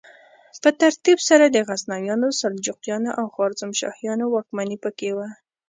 په ترتیب سره د غزنویانو، سلجوقیانو او خوارزمشاهیانو واکمني پکې وه.